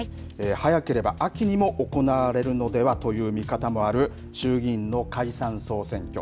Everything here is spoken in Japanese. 早ければ秋にも行われるのではという見方もある衆議院の解散・総選挙